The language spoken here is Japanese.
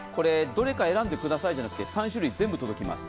どれか選んでくださいじゃなくて、３種類全部届きます。